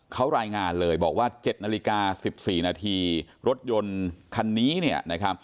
เขารายงานเลยบอกว่า๗นาฬิกา๑๔นาทีรถยนต์คันนี้เนี่ยนะครับ